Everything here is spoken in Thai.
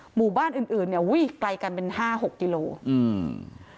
หมู่บ้านอื่นใกล้กันเป็น๕๖กิโลค่ะ